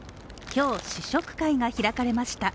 今日、試食会が開かれました。